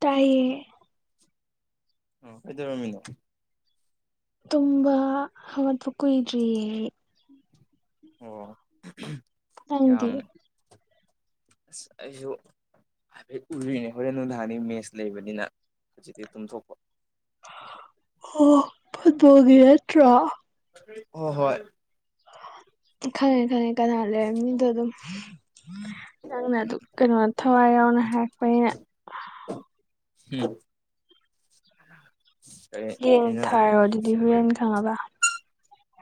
ꯇꯥꯏꯌꯦ ꯎ ꯑꯩꯗꯔꯃꯤꯅꯣ ꯇꯨꯕꯥ ꯍꯋꯥꯠꯕꯨ ꯀꯣꯏꯗ꯭ꯔꯤ ꯑꯣ ꯅꯪꯗꯤ ꯌꯥꯝ ꯑꯩꯁꯨ ꯍꯥꯏꯗꯤ ꯎꯔꯤꯅꯦ ꯍꯣꯔꯦꯟ ꯅꯨꯡꯊꯥꯅꯤ ꯃꯦꯁ ꯂꯩꯕꯅꯤꯅ ꯍꯧꯖꯤꯛꯇꯤ ꯇꯨꯝꯊꯣꯛꯄ ꯑꯣ ꯐꯠꯕꯒꯤ ꯌꯥꯠꯇ꯭ꯔꯥ ꯍꫭ ꯍꯣꯏ ꯈꯪꯉꯦ ꯈꯪꯉꯦ ꯀꯅꯥ ꯂꯩꯔꯝꯅꯤꯗꯣ ꯑꯗꯨꯝ ꯅꯪꯅ ꯑꯗꯨ ꯀꯩꯅꯣ ꯊꯋꯥꯏ ꯌꯥꯎꯅ ꯍꯥꯏꯔꯛꯄꯩꯅ ꯎꯝ ꯌꯦꯡ ꯀꯩꯅꯣ ꯊꯥꯔꯣ ꯑꯗꯨꯗꯤ ꯍꯣꯔꯦꯟ ꯈꯪꯉꯕ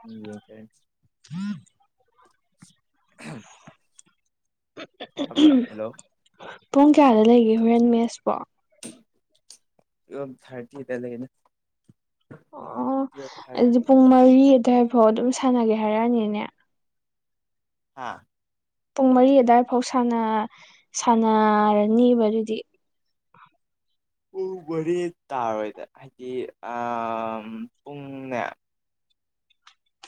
ꯎꯝ ꯌꯦꯡꯁꯔꯦ ꯍꯝ ꯎꯝ ꯍꯜꯂꯣ ꯄꯨꯡ ꯀꯌꯥꯗ ꯂꯩꯒꯦ ꯍꯣꯔꯦꯟ ꯃꯦꯁꯄꯣ ꯊꯔꯇꯤ ꯇ ꯂꯩꯅ ꯑꯣ ꯑꯣ ꯇꯨꯌꯦꯜꯞ ꯑꯗꯨꯗꯤ ꯊꯥꯔꯇꯤ ꯄꯨꯡ ꯃꯔꯤ ꯑꯗꯨꯋꯥꯏꯐꯥꯎ ꯑꯗꯨꯝ ꯁꯥꯟꯅꯒꯦ ꯍꯥꯏꯔꯛꯑꯅꯤꯅꯦ ꯍꯥꯥ ꯄꯨꯡ ꯃꯔꯤ ꯑꯋꯥꯏ ꯐꯥꯎ ꯁꯥꯟꯅꯔꯅꯤꯕ ꯑꯗꯨꯗꯤ ꯄ ꯣꯔꯦ ꯇꯥꯔꯣꯏꯗ ꯍꯥꯏꯗꯤ ꯑ ꯄꯨꯡꯅꯦ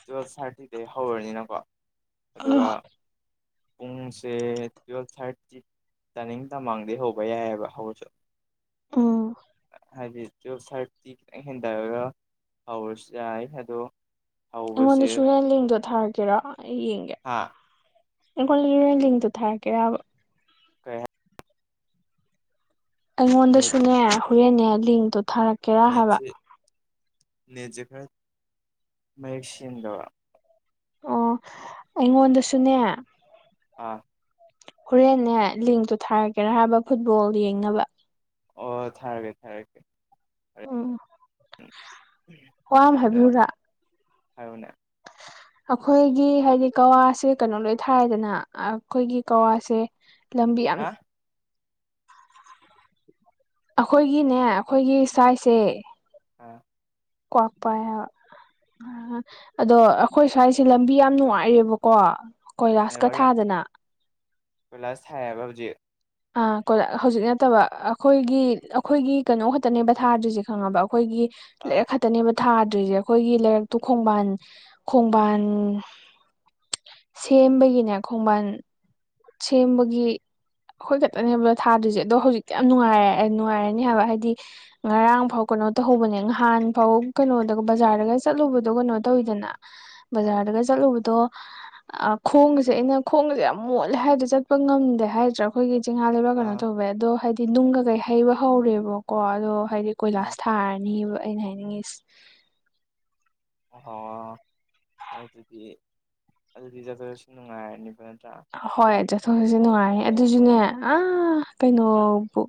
ꯇꯨꯋꯦꯜꯐ ꯊꯥꯔꯇꯤꯗꯩ ꯍꯧꯔꯅꯤꯅꯀꯣ ꯑꯗꯨꯒ ꯑꯥ ꯄꯨꯡꯁꯦ ꯇꯨꯋꯦꯜꯐ ꯊꯥꯔꯇꯤ ꯇꯥꯅꯤꯡ ꯇꯃꯥꯡꯗꯩ ꯍꯧꯕ ꯌꯥꯏꯑꯕ ꯍꯧꯔꯁꯨ ꯑꯥ ꯍꯥꯏꯗꯤ ꯇꯨꯋꯜꯞ ꯊꯥꯔꯇꯤ ꯈꯤꯇꯪ ꯍꯦꯟꯊꯔꯒ ꯄꯥꯎꯔꯁꯨ ꯌꯥꯏ ꯑꯗꯣ ꯑꯩꯉꯣꯟꯗ ꯍꯧꯕꯁꯦ ꯁꯣꯔꯦꯟ ꯂꯦꯡꯗꯣ ꯊꯥꯔꯛꯀꯦꯔꯣ ꯑꯩ ꯌꯦꯡꯒꯦ ꯑꯥ ꯔ ꯂ ꯇꯨ ꯊꯔꯒꯦ ꯀꯌꯥ ꯅꯦꯠꯁꯦ ꯑꯩꯉꯣꯟꯗꯁꯨꯅꯦ ꯍꯣꯔꯦꯟꯅꯦ ꯂꯤꯡꯗꯣ ꯊꯥꯔꯛꯀꯦ ꯅꯦꯠꯖꯀ ꯃꯌꯦꯛꯌꯦꯛꯁꯤꯟꯗ ꯑꯣ ꯑꯩꯉꯣꯟꯗꯁꯨꯅꯦ ꯑꯥ ꯍꯣꯔꯦꯟꯟꯅ ꯂꯤꯡꯇꯣ ꯊꯥꯔꯛꯀꯦꯔꯥ ꯍꯥꯏꯕ ꯐꯨꯠꯕꯣꯜ ꯌꯦꯡꯅꯕ ꯑꯣ ꯊꯥꯔꯒꯦ ꯊꯥꯔꯛꯒꯦ ꯑꯣꯝ ꯍꯗꯣ ꯍꯥꯏꯔꯨꯅꯥ ꯑꯩꯈꯣꯏꯒꯤ ꯍꯥꯏꯗꯤ ꯀꯋꯥꯁꯦ ꯀꯩꯅꯣ ꯂꯣꯏ ꯊꯥꯏꯗꯅ ꯑꯩꯈꯣꯏꯒꯤ ꯎꯝ ꯀꯋꯥꯁꯦ ꯂꯝꯕꯤ ꯌꯥꯝ ꯍꯥ ꯑꯩꯈꯣꯏꯒꯤꯅꯦ ꯑꯩꯈꯣꯏꯒꯤ ꯁ꯭ꯥꯏꯁꯦ ꯑꯥ ꯀ꯭ꯋꯥꯛꯄ ꯑꯗꯣ ꯑꯩꯈꯣꯏ ꯁ꯭ꯋꯥꯏꯁꯦ ꯂꯝꯕꯤ ꯌꯥꯝ ꯅꯨꯡꯉꯥꯏꯔꯦꯕꯀꯣ ꯀꯣꯏꯂꯥꯁ ꯀꯊꯥꯗꯅ ꯄꯣꯏꯂꯁ ꯁꯕꯕꯗꯤ ꯑ ꯍꯧꯖꯤꯛ ꯅꯠꯇꯕ ꯑꯩꯈꯣꯏꯒꯤ ꯑꯩꯈꯣꯏꯒꯤ ꯀꯩꯅꯣ ꯈꯛꯇꯅꯦꯕꯊꯥꯗ꯭ꯔꯤꯁꯦ ꯈꯪꯉꯕ ꯑꯩꯈꯣꯏꯒꯤ ꯑꯥ ꯂꯩꯔꯛ ꯈꯛꯇꯅꯦꯕ ꯊꯥꯗ꯭ꯔꯤꯁꯦ ꯑꯩꯈꯣꯏꯒꯤ ꯂꯩꯔꯛꯇꯨ ꯈꯣꯡꯕꯥꯟ ꯈꯣꯡꯕꯥꯟ ꯁꯦꯝꯕꯒꯤꯅꯦ ꯈꯣꯡꯕꯥꯟ ꯁꯦꯝꯕꯒꯤ ꯑꯩꯈꯣꯏ ꯈꯛꯇꯅꯦꯕꯗꯣ ꯊꯥꯗ꯭ꯔꯤꯁꯦ ꯑꯗꯣ ꯍꯧꯖꯤꯛꯇꯤ ꯌꯥꯝ ꯑꯥ ꯅꯨꯡꯉꯥꯏꯔꯦ ꯅꯨꯡꯉꯥꯏꯔꯅꯤ ꯍꯥꯏꯕ ꯍꯥꯏꯗꯤ ꯉꯔꯥꯡ ꯐꯥꯎ ꯀꯩꯅꯣ ꯇꯧꯍꯧꯕꯅꯦ ꯅꯍꯥꯟ ꯐꯥꯎ ꯀꯩꯅꯣꯗꯒ ꯕꯖꯥꯔꯗꯒ ꯆꯠꯂꯨꯕꯗꯣ ꯀꯩꯅꯣ ꯇꯧꯋꯤꯗꯅ [inaudible] ꯕꯖꯥꯔꯗꯒ ꯆꯠꯂꯨꯕꯗꯣ ꯑ ꯈꯣꯡꯁꯦ ꯑꯩꯅ ꯈꯣꯡꯁꯦ ꯌꯥꯝ ꯃꯣꯠ ꯍꯥꯏꯗꯤ ꯆꯠꯄ ꯉꯝꯗꯦ ꯍꯥꯏꯗ꯭ꯔꯥ ꯑꯩꯈꯣꯏꯒꯤ ꯆꯤꯡꯍꯥ ꯂꯩꯕꯥꯛ ꯀꯩꯅꯣ ꯑꯥ ꯇꯧꯕꯋꯦ ꯑꯗꯣ ꯍꯥꯏꯗꯤ ꯁꯤ ꯅꯨꯡꯒ ꯀꯩ ꯍꯩꯕ ꯍꯧꯔꯦꯕꯀꯣ ꯑꯗꯣ ꯍꯥꯏꯗꯤ ꯑꯥ ꯀꯣꯏꯂꯥꯁ ꯊꯥꯔꯅꯤꯕ ꯑꯩꯅ ꯍꯥꯏꯅꯤꯡꯉ ꯑꯣꯍꯣꯏ ꯑꯗꯨꯗꯤ ꯑꯗꯨꯗꯤ ꯆꯖꯠꯄꯗꯁꯨꯨꯝ ꯅꯨꯡꯉꯥꯏꯔꯅꯤꯕ ꯅꯠꯇ꯭ꯔꯥ ꯍꯣꯏ ꯆꯠꯊꯣꯛ ꯆꯠꯁꯤ ꯅꯨꯡꯉꯥꯏ ꯑꯗꯨꯁꯨꯅꯦ ꯑ ꯀꯩꯅꯣꯕꯨ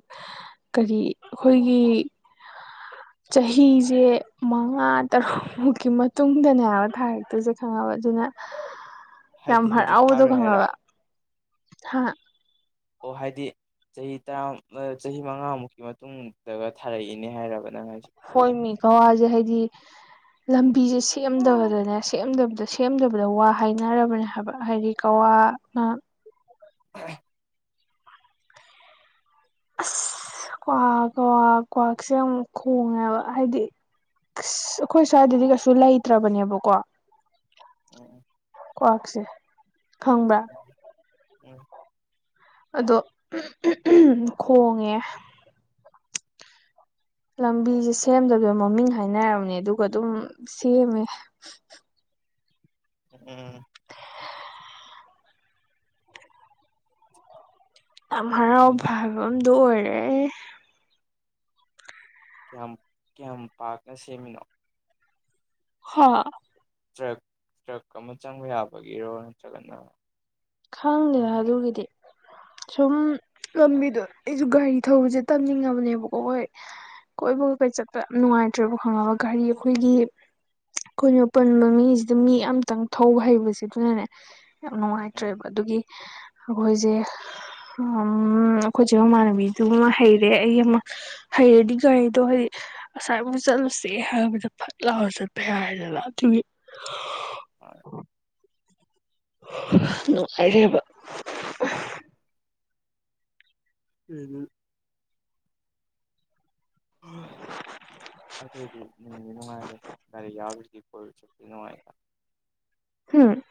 ꯀꯔꯤ ꯑꯩꯈꯣꯏꯒꯤ ꯆꯍꯤꯁꯦ ꯃꯉꯥ ꯇꯔꯨꯛꯃꯨꯛꯀꯤ ꯃꯇꯨꯡꯗꯅꯦ ꯍꯥꯏꯕ ꯊꯥꯔꯛꯇꯨ ꯆꯀ ꯁꯪꯉꯕ ꯑꯗꯨꯅ [inaudible] ꯌꯥꯝ ꯍꯧꯖꯤꯛ ꯍꯔꯥꯎꯕꯗꯣ ꯊꯥꯔꯣꯏ ꯍꯥꯏꯔꯥ ꯈꯪꯉꯕ ꯍꯥ ꯑꯣ ꯍꯥꯏꯗꯤ ꯆꯍꯤ ꯇꯔꯥ ꯆꯍꯤ ꯃꯉꯥꯃꯨꯛꯀꯤ ꯃꯇꯨꯡꯗꯒ ꯊꯥꯔꯛꯏꯅꯦ ꯍꯥꯏꯔꯕ ꯅꯪ ꯍꯥꯏꯁꯦ ꯍꯣꯏ ꯃꯤ ꯀꯋꯥꯁꯦ ꯍꯥꯏꯗꯤ ꯂꯝꯕꯤꯁꯦ ꯎꯝ ꯁꯦꯝꯗꯕꯗꯅꯦ ꯁꯦꯝꯗꯕꯗ ꯁꯦꯝ ꯁꯦꯝꯗꯕꯗ ꯋꯥ ꯍꯥꯏꯅꯔꯕꯅꯦ ꯍꯥꯏꯕ ꯍꯥꯏꯗꯤ ꯀꯋꯥꯅ ꯑꯁ ꯀ꯭ꯋꯥꯛ ꯀ꯭ꯋꯥꯛ ꯀ꯭ꯋꯥꯛꯁꯦ ꯑꯃꯨꯛ ꯈꯣꯡꯉꯦꯕ ꯍꯥꯏꯗꯤ ꯑꯁ ꯑꯩꯈꯣꯏ ꯁ꯭ꯋꯥꯏꯗꯗꯤ ꯀꯩꯁꯨ ꯂꯩꯇ꯭ꯔꯕꯅꯦꯕꯀꯣ ꯑꯣꯑꫭ ꯀ꯭ꯋꯥꯛꯁꯦ ꯈꯪꯕ꯭ꯔ [unintelligible] ꯑꯗꯣ ꯈꯣꯡꯉꯦ [inaudible] ꯂꯝꯕꯤꯁꯦ ꯁꯦꯝꯗꯕꯤꯗ ꯃꯃꯤꯡ ꯍꯥꯏꯅꯔꯕꯅꯦ ꯑꯗꯨꯒ ꯑꯗꯨꯝ ꯁꯦꯝꯃꯦ ꯎꯝ ꯌꯥꯝ ꯎꯝ ꯍꯔꯥꯎꯕ ꯍꯥꯏꯕꯃ ꯗꯨ ꯑꯣꯏꯔꯦ ꯀꯌꯥꯝ ꯀꯌꯥꯝ ꯄꯥꯛꯅ ꯁꯦꯝꯃꯤꯅꯣ ꯍꯥ ꯇ꯭ꯔꯛ ꯇ꯭ꯔꯛ ꯑꯃ ꯆꯪꯕ ꯌꯥꯕꯒꯤꯔꯣ ꯅꯠꯇ꯭ꯔꯒꯅ ꯈꯪꯗꯦꯗ ꯀꯃꯥꯏꯅ ꯑꯗꯨꯒꯤꯗꯤ ꯁꯨꯝ ꯂꯝꯕꯤꯗꯣ ꯑꯩꯁꯨ ꯒꯥꯔꯤ ꯊꯧꯕꯁꯦ ꯇꯝꯅꯤꯡꯉꯕꯅꯦꯕꯀꯣ ꯍꯣꯏ ꯀꯣꯏꯕ ꯀ ꯀꯩ ꯆꯠꯄ ꯌꯥꯝ ꯅꯨꯡꯉꯥꯏꯇ꯭ꯔꯦꯕ ꯈꯪꯉꯕ ꯒꯥꯔꯤ ꯑꯩꯈꯣꯏꯒꯤ ꯑꯩꯈꯣꯏꯅꯄꯟꯕ ꯃꯤꯁꯤꯗ ꯃꯤ ꯑꯃꯇꯪ ꯊꯧꯕ ꯍꯩꯕꯁꯤ ꯑꯗꯨꯅꯅꯦ ꯌꯥꯝ ꯅꯨꯡꯉꯥꯏ ꯎꯝ ꯇ꯭ꯔꯦꯕ ꯑꯗꯨꯒꯤ ꯑꯩꯈꯣꯏꯁꯦ ꯎꯝ ꯑꯩꯈꯣꯏꯆꯦ ꯃꯃꯥꯟꯅꯕꯤꯗꯨꯃ ꯍꯩꯔꯦ ꯑꯩ ꯑꯃ ꯍꯩꯔꯗꯤ ꯒꯥꯔꯤꯗꯣ ꯍꯥꯏꯗꯤ ꯉꯁꯥꯏꯕꯨꯨꯛ ꯆꯠꯂꯨꯁꯦ ꯍꯥꯏꯕꯗ ꯐꯛ ꯂꯥꯎꯔ ꯆꯠꯄ ꯌꯥꯏꯗꯅ ꯑꯗꯨꯒꯤ ꯍꯣꯏ ꯅꯨꯡꯉꯥꯏꯔꯦꯕ [unintelligible] [unintelligible] ꯑꯗꯨꯏꯗꯤ ꯅꯨꯡꯗꯤ ꯅꯨꯡꯉꯥꯏꯔꯦꯏ ꯒꯥꯔꯤ ꯌꯥꯎꯔꯗꯤ ꯀꯣꯂꯦꯖ ꯆꯠꯄꯗꯤ ꯅꯨꯡꯉꯥꯏꯅ ꯍꯥꯝ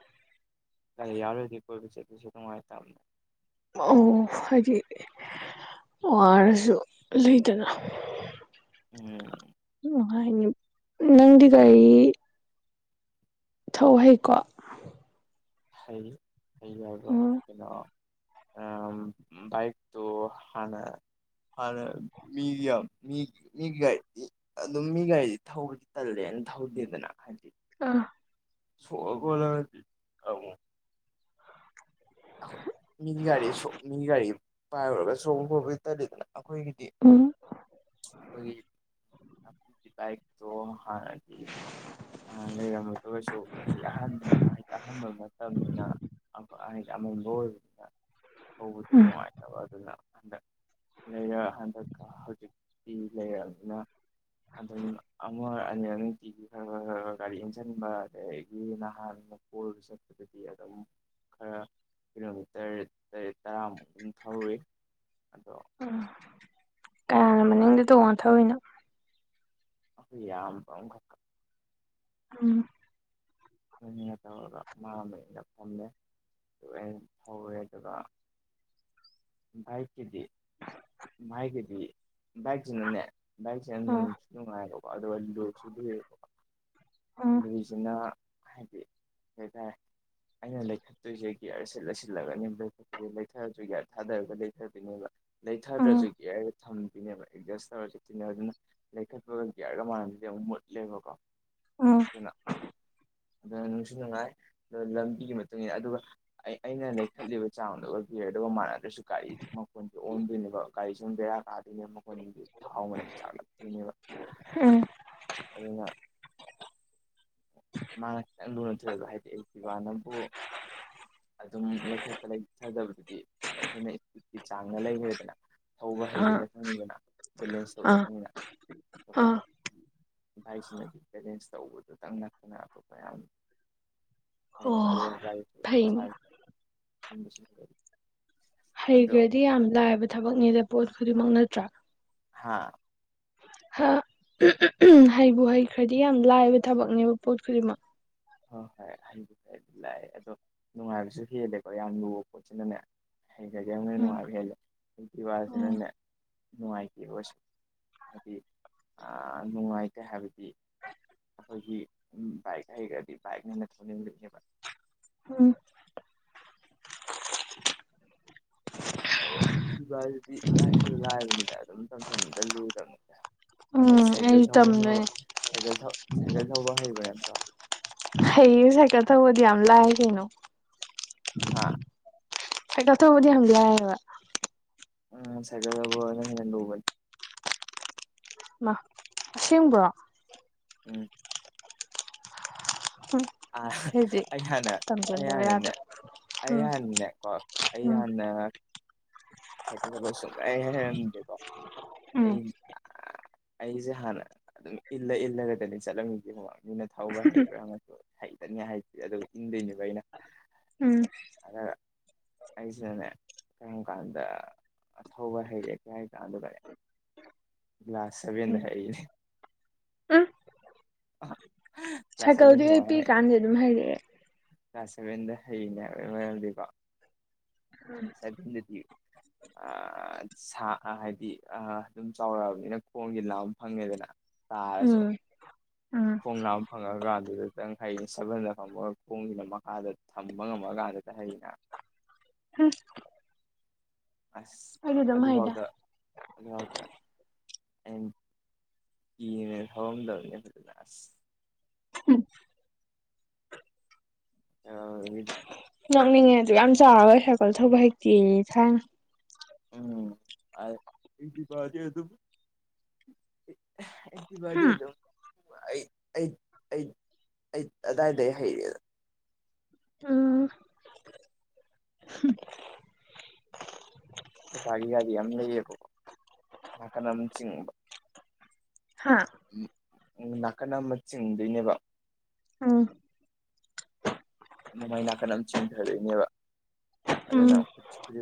ꯒꯥꯔꯤ ꯌꯥꯎꯗ꯭ꯔꯗꯤ ꯀꯣꯏꯕ ꯆꯠꯄꯁꯨ ꯅꯨꯡꯉꯥꯏꯇꯕꯅꯦ ꯑꯣ ꯍꯥꯏꯗꯤ ꯋꯥꯔꯁꯨ ꯂꯩꯗꯅ ꯎꯝ ꯍꯥꯏꯅꯤ ꯅꯪꯗꯤ ꯀꯒꯥꯔꯤ ꯊꯧ ꯍꯩꯀꯣ ꯍꯩ ꯍꯩ ꯍꯥꯏꯗꯣ ꯎꯝ ꯀꯩꯅꯣ ꯑ ꯏꯛ ꯇꯣ ꯍꯅ ꯐꯔ ꯃꯤꯗꯤꯝ ꯃꯤ ꯃꯤꯒꯤ ꯒꯥꯔꯤꯗꯤ ꯑꯗꯨꯝ ꯃꯤ ꯒꯥꯔꯤꯁꯤ ꯊꯧꯕꯗꯤ ꯇꯜꯂꯦꯅ ꯊꯧꯗꯦꯗꯅ ꯍꯥꯏꯗꯤ ꯑꯥ ꯁꯣꯛꯑ ꯈꫭꯠꯂ ꯑꯃꯨꯛ ꯃꯤ ꯒꯥꯔꯤ ꯃꯤ ꯒꯥꯔꯤ ꯄꯥꯏꯔꯨꯔꯒ ꯁꯣꯛꯕ ꯄ꯭ꯔꯣꯕ ꯇꯜꯂꯤꯗꯅ ꯑꯩꯈꯣꯏꯒꯤꯗꯤ ꯎꯝ ꯑꯩꯈꯣꯏꯒꯤ ꯑꯩꯈꯣꯏꯒꯤ ꯕꯥꯏꯛꯇꯣ ꯍꯥꯟꯅꯗꯤ ꯂꯩꯔꯝꯝꯕꯗ ꯑꯣꯏꯔꯁꯨ ꯍꯥꯏꯗꯤ ꯑꯍꯟ ꯍꯥꯏꯗꯤ ꯑꯍꯟꯕ ꯃꯇꯝꯅꯤꯅ ꯑꯩ ꯌꯥꯝ [unintelligible] ꯎꯝ ꯅꯨꯡꯉꯥꯏ ꯇꯕ ꯑꯗꯨꯅ ꯍꯟꯗꯛ ꯂꯩꯔ ꯍꯟꯗꯛꯀ ꯍꯧꯖꯤꯛꯇꯤ ꯂꯩꯔꯅꯤꯅ ꯑꯗꯨꯝ ꯑꯃ ꯑꯣꯏꯔ ꯑꯅꯤ ꯅꯨꯡꯇꯤꯒꯤ ꯈꯔ ꯈꯔꯔ ꯒꯥꯔꯤ ꯏꯟꯁꯤꯟꯕ ꯑꯗꯒꯤ ꯅꯍꯥꯟ ꯍꫭꯜ ꯆꯠꯄꯗꯗꯤ ꯑꯗꯨꯝ ꯈꯔ ꯀꯤꯂꯣꯃꯤꯇꯔ ꯇꯔꯦꯠ ꯇꯔꯥꯃꯨꯛ ꯑꯗꯨꯝ ꯊꯧꯔꯏ ꯑꯗꯣ ꯎꯝ ꯀꯌꯥꯅ ꯃꯅꯤꯡꯗ ꯇꯣꯉꯥꯟ ꯊꯧꯔꯤꯏꯅꯣ ꯑꯩꯈꯣꯏ ꯌꯥꯝ ꯄꯈꯛ ꯎꯝ ꯁꯅꯤꯅ ꯇꯧꯔꯒ ꯃꯥꯗ ꯑꯩꯅ ꯐꯝꯃꯦꯦ ꯑꯗꯨꯒ ꯑꯩ ꯍꯧꯋꯦ ꯑꯗꯨꯒ ꯥꯏꯛꯀꯤꯗꯤ ꯥꯏꯒꯗꯤ ꯥꯏꯛ ꯆꯟꯅꯅꯦ ꯥꯏꯛ ꯆ ꯎꯝ ꯅꯁꯨ ꯅꯨꯡꯉ ꯍꯥꯏꯣ ꯎꯝ ꯂꯗꯤꯁꯤꯅ ꯍꯥꯏꯗꯤ ꯀꯩ ꯍꯥꯏꯇꯥꯔꯦ ꯑꯩꯅ ꯂꯩꯈꯠꯇꯣꯏꯁꯦ ꯒꯌꯔꯁꯤꯦꯠ ꯂꯩꯁꯤꯜꯂꯒꯅꯤ ꯁꯤꯗꯤ ꯂꯩꯊꯔꯁꯨ ꯌꯥ ꯊꯥꯗꯔꯒ ꯂꯩꯊꯗꯣꯏꯅꯦꯕ ꯂꯩꯊꯗ꯭ꯔꯁꯨ ꯎꯝ ꯌꯥ ꯊꯝꯕꯤꯅꯦꯕ ꯑꯦꯗꯖꯁ ꯇꯧꯔ ꯆꯠꯇꯅꯦ ꯑꯗꯨꯅ ꯂꯩꯈꯠꯄꯒ ꯭ꯌꯥꯔꯒ ꯃꯥꯟꯅꯁꯤꯗꯤ ꯑꯃꯨꯛ ꯃꯨꯠꯂꯦꯕꯀꯣ ꯑꯣ ꯑꯗꯨꯅ ꯅꯨꯡꯁꯨ ꯅꯨꯡꯉꯥꯏ ꯂꯝꯕꯤꯒꯤ ꯏ ꯃꯇꯨꯡꯏꯟꯅ ꯑꯗꯨꯒ ꯑꯩ ꯑꯩꯅ ꯂꯩꯈꯠꯂꯤꯕ ꯆꯥꯡꯗꯨꯒ ꯌꯔꯗꯨꯒ ꯃꯥꯟꯅꯗ꯭ꯔꯁꯨ ꯒꯥꯔꯤꯗꯨ ꯃꯈꯣꯟ ꯑꯣꯟꯗꯣꯏꯅꯦꯕ ꯒꯥꯔꯤ ꯁꯨꯝ ꯕꯦꯔꯥ ꯀꯥꯗꯣꯏꯅꯦ ꯃꯈꯣꯏꯒꯤ ꯊꯥꯎ ꯑꯃ ꯆꯥꯛꯂꯛꯇꯣꯏꯅꯦꯕ ꯎꯝ ꯑꯗꯨꯩꯅ ꯃꯥꯅ ꯈꯤꯪ ꯂꯨꯅ ꯊꯣꯛꯣꯛꯑꯦꯕ ꯍꯥꯏꯗꯤ ꯑꯩ ꯏ ꯋꯥ ꯅꯕꯨ ꯑꯗꯨꯝ ꯂꯩꯈꯠꯠꯇ ꯂꯩꯊꯗꯕꯗꯨꯗꯤ ꯑꯩꯈꯣꯏꯅ ꯏꯁꯄꯤꯠꯀꯤ ꯆꯥꯡꯅ ꯂꯩꯈ꯭ꯔꯦꯗꯅ ꯊꯧꯕ ꯍꯩꯕ ꯑꯥ ꯅ ꯈꯪꯅꯤꯡꯗꯅ ꯕꯦꯂꯦꯟꯁ ꯇꯧꯕ ꯑꯥ ꯅꯠꯇꯪꯅꯤꯅ ꯑꯗꯨꯒ ꯑꯥ ꯚꯥꯏꯁꯤꯅꯗꯤ ꯄꯦꯔꯦꯟꯁ ꯇꯧꯕꯗꯨꯇꯪꯅ ꯇ ꯀ ꯑꯣ ꯐꯩꯅꯦ ꯎꯝ ꯍꯩꯈ꯭ꯔꯗꯤ ꯌꯥꯝ ꯂꯥꯏꯕ ꯊꯕꯛꯅꯦꯗ ꯄꯣꯠ ꯈꯨꯗꯤꯡꯃꯛ ꯅꯠꯇ꯭ꯔꯥ ꯍꯥꯥ ꯍꯩꯕꯨ ꯍꯩꯈ꯭ꯔꯗꯤ ꯌꯥꯝ ꯂꯥꯏꯕ ꯊꯕꯛꯅꯦꯕ ꯄꯣꯠ ꯈꯨꯗꯤꯡꯃꯛ ꯍꯣꯏ ꯍꯣꯏ ꯍꯩꯕꯨ ꯐꯩ ꯑꯗꯨꯝ ꯂꯥꯛꯑꯦ ꯑꯗꯣ ꯅꯨꯡꯉꯥꯏꯕꯁꯨ ꯍꯦꯜꯂꯦꯀꯣ ꯌꯥꯝ ꯂꯨꯕ ꯄꯣꯠꯁꯤꯅꯅꯦ ꯑꯩ ꯈ ꯌꯥꯝꯅ ꯎꯝ ꯅꯨꯡꯉꯥꯏꯕꯦꯦꯜꯂꯦ ꯋꯥꯁꯤꯦ ꯎꯝ ꯅꯟꯅ ꯅꯨꯡꯉꯥꯏꯇꯦ ꯑꯣꯏꯁꯨ ꯍꯥꯏꯗꯤ ꯅꯨꯡꯉꯥꯏꯇꯦ ꯍꯥꯏꯕꯗꯤ ꯑꯩꯈꯣꯏꯒꯤ ꯕꯥꯏꯛ ꯍꯥꯏꯩꯈ꯭ꯔꯗꯤ ꯕꯥꯏꯛꯅꯦꯅ ꯊꯧꯅꯤꯡꯕꯅꯦꯕ ꯎꯝ ꯑꯗ ꯏꯚꯗꯨꯗꯤ ꯂꯥꯏꯁꯨ ꯂꯥꯏꯕꯅꯤꯅ ꯑꯗꯨꯝ ꯇꯝꯁꯟ ꯑꯝꯇ ꯂꯨꯗꯕꯅꯦꯠꯇꯦ ꯎꯝ ꯁꯥꯏꯀꯜ ꯑꯩꯁꯨ ꯊꯧꯕꯅ ꯇꯝꯗꯣꯏꯅꯦ ꯁꯥꯏꯀ ꯁꯥꯏꯀꯜ ꯊꯧꯕ ꯍꯩꯕ ꯅꯠꯇ꯭ꯔꯣ ꯍꯩꯁꯦ ꯀ ꯊꯧꯕꯗꯤ ꯌꯥꯝ ꯂꯥꯛꯑꯦ ꯀꯩꯅꯣ ꯍꯥ ꯍꯀ ꯊ ꯍꯕꯗꯤ ꯍ ꯌꯥ ꯎꯝ ꯆꯒꯗꯕꯨ ꯍꯣꯕꯜ ꯏꯃꯥ ꯑꯥꯁꯦꯡꯕ꯭ꯔꯣ ꯎꯝ [unintelligible] ꯑ ꯁꯤꯗꯤ ꯑꯌꯥꯅ ꯇꯝꯁꯤꯟꯗꯕ ꯑꯌꯥꯅꯟꯅꯦ ꯌꯥꯗ꯭ꯔꯦ ꯎꯝ ꯑꯍꯅ ꯀ ꯎꯝ ꯑꯍꯅ ꯁꯥꯏꯀꯜꯗꯕꯣꯏ ꯁꯨꯡꯂꯥꯏ ꯍꯥꯏꯔꯝꯗꯦꯀꯣ ꯑꯩ ꯎꯝ ꯑꯩꯁꯦ ꯍꯥꯟꯅ ꯑꯗꯨꯝ ꯏꯜꯂ ꯏꯜꯂꯒꯗꯤ ꯆꯠꯂꯝꯃꯤꯗꯤ ꯃꯤꯅ ꯊꯧꯕ꯭ꯔꯥ ꯍꯩꯕ꯭ꯔꯥ ꯉ ꯍꯩꯇꯅꯤ ꯍꯥꯏꯁꯤꯦ ꯑꯗꯨꯒ ꯏꯟꯗꯣꯏꯅꯦꯕ ꯑꯩꯅ ꯎꯝ ꯑ ꯑꯩꯁꯤꯗꯅꯦ ꯀꯔꯤꯝ ꯀꯥꯟꯗ ꯗ ꯑꯊꯧꯕ ꯍꯩꯔꯛꯦ ꯀꯔꯤ ꯍꯥꯏ ꯀꯥꯟꯗꯨ ꯂꯥꯁ ꯁꯕꯦꯟꯅ ꯎꯝ ꯍꯥꯏꯅꯦ ꯎꯝ ꯀ꯭ꯂꯥꯁ ꯁꯚꯦꯟꯁꯦ ꯁꯥꯏꯀꯜꯗꯤ ꯍ ꯀꯃꯥꯏꯅ ꯍꯩ ꯄꯤꯀꯥꯟꯗꯤ ꯑꯗꯨꯝ ꯍꯥꯏꯩꯔꯛꯑꯦ ꯀ꯭ꯂꯥꯁ ꯁꯚꯦꯟꯗ ꯍꯌꯦꯅꯦꯀꯣ ꯁꯚꯦꯟꯗ ꯁꯥ ꯍꯥꯏꯗꯤ ꯑꯗꯨꯝ ꯆꯥꯎꯔꯛꯑꯕꯅꯤꯅ ꯈꯣꯡꯁꯦ ꯂꯥ ꯑꯃ ꯐꯪꯉꯦꯗꯅ ꯇꯥꯔꯁꯨ ꯎꯝ ꯎꯝ ꯈꯣꯡꯅꯥꯝ ꯐꯪꯉꯀꯥꯟ ꯑꯗꯨꯗ ꯈꯤꯇꯪ ꯍꯩꯩꯅ ꯁꯕꯟꯗ ꯐꯝꯃꯒ ꯈꯣꯡꯁꯤꯅ ꯃꯈꯥꯗ ꯊꯝꯕ ꯉꯝꯃ ꯀꯥꯟꯗꯨꯗ ꯍꯩꯅ ꯎꯝ ꯑꯁ ꯑꯗꯨꯝ ꯍꯩꯗ ꯑꯗꯨꯐꯥꯎꯗ ꯑꯗꯨꯒ ꯑꯩꯅ ꯀꯤꯅꯦ ꯊꯔꯝꯗꯕꯅꯦ ꯐ ꯑꯁ ꯎꯝ [unintelligible] ꯅꯣꯛꯅꯤꯡꯉꯦ ꯑꯗꯨ ꯌꯥꯝ ꯆꯥꯎꯔꯣꯏꯈ꯭ꯔꯦꯀꯣꯜ ꯊꯧꯕꯛ ꯍꯛꯇꯤ ꯊꯥꯏꯅ ꯎꯝ ꯏꯗꯤꯄꯥ ꯆꯦ ꯑꯗꯨ ꯑꯩꯛꯇꯤꯚꯗꯗꯤ ꯍꯨꯝ ꯑꯗꯨꯝ ꯑꯩ ꯑꯩ ꯑꯩ ꯑꯩ ꯑꯗꯨꯗꯥꯋꯥꯏꯗ ꯍꯩꯔꯦꯗ [unintelligible] ꯑꯣꯖꯒꯤ ꯒꯥꯔꯤ ꯌꯥꯝ ꯂꯩꯌꯦꯕꯀꯣ ꯅꯥꯀꯟ ꯑꯃ ꯆꯤꯡꯕ ꯍꯥꯥ ꯎ ꯎ ꯅꯥꯀꯟ ꯑꯃ ꯆꯤꯡꯗꯣꯏꯅꯦꯕ ꯑꯥ ꯃꯃꯥꯏ ꯅꯥꯀꯟ ꯑꯃ ꯆꯤꯡꯊꯗꯣꯏꯅꯦꯕ ꯎꯝ ꯑꯗꯨꯅ ꯈꯨꯠꯁꯤ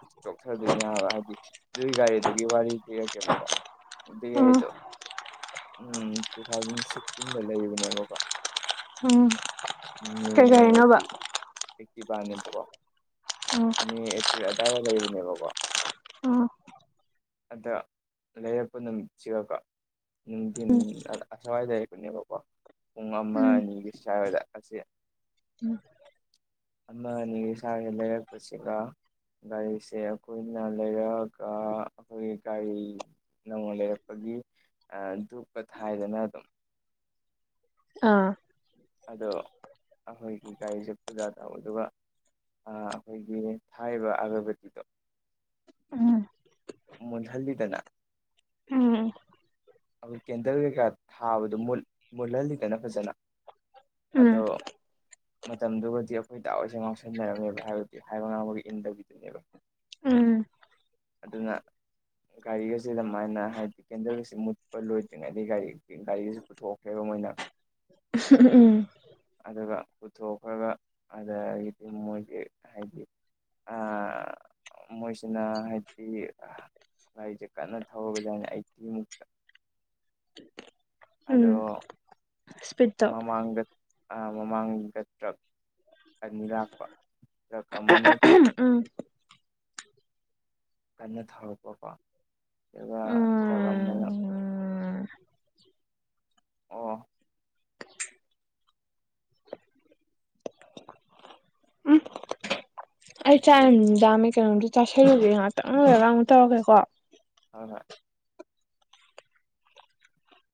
ꯈꯨꯠ ꯆꯣꯛꯊꯗꯣꯏꯅꯦ ꯍꯥꯏꯕ ꯍꯥꯏꯗꯤ ꯑꯗꯨꯒꯤ ꯒꯥꯔꯤꯗꯨꯒꯤ ꯋꯥꯔꯤ ꯕꯀꯣ ꯎꯝ ꯗꯨ ꯎꯝ ꯇꯨ ꯊꯥꯎꯖꯟ ꯁꯤꯛꯁꯇꯤꯟꯗ ꯂꯩꯕꯅꯦꯕꯀꯣ ꯎꯝ ꯃꯦ ꯀꯩ ꯒꯥꯔꯤꯅꯣꯕ ꯑꯦꯄ꯭ꯔꯤꯜ ꯇꯛꯇꯤꯕꯅ‌ꯦ ꯕꯀꫭ ꯫ ꯑꯣ ꯃꯦ ꯑꯦꯄ꯭ꯔꯤꯜ ꯑꯗꯥꯏꯗ ꯂꯩꯕꯅꯦꯕꯀꯣ꯫ ꯎꯝ ꯑꯗꯨ ꯂꯩꯔꯛꯄ ꯅꯨꯃꯤꯠꯁꯤꯒꯀꯣ꯫ ꯅꯨꯡꯊꯤꯟ ꯎꯝ ꯑꯁ꯭ꯋꯥꯏꯗ ꯂꯩꯕꯅꯦꯕꯀꯣ ꯄꯨꯡ ꯑꯃ ꯎꯝ ꯑꯅꯤꯒꯤ ꯁ꯭ꯋꯥꯋꯥꯗ ꯑꯁꯤ ꯎꯝ ꯑꯃ ꯑꯅꯤ ꯁꯥꯒꯤꯦ ꯂꯩꯔꯛꯄꯁꯤꯒ ꯒꯥꯔꯤꯁꯦ ꯑꯩꯈꯣꯏꯅ ꯂꯩꯔꯒ ꯑꯩꯈꯣꯏꯒꯤ ꯒꯥꯔꯤ ꯅꯧꯅ ꯂꯩꯔꯛꯄꯒꯤ ꯑꯥ ꯗꯨꯛꯀ ꯊꯥꯏꯗꯅ ꯑꯗꯨꯝ꯫ ꯑꯥ꯫ ꯑꯗꯣ ꯑꯈꯣꯏꯒꯤ ꯒꯥꯔꯤꯁꯦ ꯄꯨꯖꯥ ꯇꯧꯕ ꯑꯗꯨꯒ꯫ ꯑꯥ ꯑꯈꯣꯏꯒꯤ ꯊꯥꯔꯤꯕ ꯑꯒꯔꯕꯠꯀꯤꯗꯣ꯫ ꯎꯝ ꯃꯨꯠꯍꯜꯂꯤꯗꯅ꯫ ꯎꯝ ꯑꯗꯨ ꯀꯦꯟꯗꯜ ꯀꯩꯀꯥ ꯊꯥꯕꯗꯣ ꯃꯨꯠꯍꯜꯂꯤꯗꯅ ꯐꯖꯅ꯫ ꯑꯗꯣ ꯎꯝ ꯃꯇꯝꯗꯨꯒꯗꯤ ꯑꯩꯈꯣꯏ ꯗꯥꯍꯣꯏꯁꯦ ꯉꯥꯎꯁꯟꯅꯔꯝꯃꯦꯕ ꯍꯥꯏꯕꯗꯤ ꯍꯥꯏꯕ ꯉꯥꯡꯕꯒ ꯏꯟꯗꯕꯤꯗꯨꯅꯦꯕ ꯎꯝ ꯑꯗꯨꯅ ꯒꯥꯔꯤꯒꯁꯤ ꯑꯗꯨꯃꯥꯏꯅ ꯍꯥꯏꯗꯤ ꯀꯦꯟꯗꯜꯁꯤ ꯃꯨꯠ꯫ ꯂꯣꯏꯗ꯭ꯔꯤꯉꯩꯗꯒꯤ ꯒꯥꯔꯤ ꯒꯥꯔꯤꯁꯤ ꯄꯨꯊꯣꯛꯈ꯭ꯔꯦꯕ ꯃꯣꯏꯅ꯫ ꯎꯝ ꯑꯗꯨꯒ ꯄꯨꯊꯣꯛꯈ꯭ꯔꯒ ꯑꯗꯒꯤꯗꯤ ꯃꯣꯏꯗꯤ ꯍꯥꯏꯗꯤ꯫ ꯑꯥ ꯃꯣꯏꯁꯤꯅ ꯍꯥꯏꯗꯤ꯫ ꯒꯥꯔꯤꯁꯦ ꯀꯟꯅ ꯊꯧꯔꯒꯗꯅꯦ ꯑꯩꯁ‌ꯦꯃꯨꯛꯀ꯫ ꯎꯝ ꯑꯗꯣ ꯁ꯭ꯄꯤꯠꯇꯣ ꯃꯃꯥꯡꯗ ꯃꯃꯥꯡꯗ ꯇ꯭ꯔꯛ ꯑꯅꯤ ꯂꯥꯛꯄ ꯑꯃꯅ꯫ ꯎꯝ ꯀꯟꯅ ꯊꯧꯔꯛꯄꯀꯣ ꯑꯗꯨꯒ ꯇ꯭ꯔꯛ ꯑꯃꯅ꯫ ꯎꯝ ꯑꯣ ꯑꯩ ꯑꯗꯨ ꯆꯥꯛ‌ ꯍꯣꯏ ꯌꯥꯝ ꯂꯥꯝꯃ‌ꯦ ꯀꯩꯅꯣꯝꯗ ꯆꯥꯥꯁꯜꯂꯨꯒ‌ꯦ ꯉꯥꯛꯇꯪ ꯂꯩꯔꯒ ꯑꯃꯨꯛ ꯇꯧꯔꯛꯀ‌ꯦꯀꯣ꯫ ꯑꯗꯨꯒ